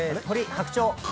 白鳥。